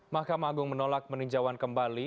mahkamah agung menolak peninjauan kembali